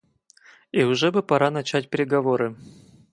И уже бы пора начать переговоры.